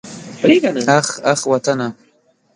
اخ اخ وطنه.